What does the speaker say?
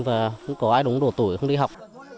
và có ai đúng đủ tuổi không đi học